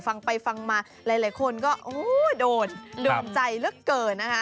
ฟังไปฟังมาหลายคนก็โอ้โดนโดนใจเหลือเกินนะคะ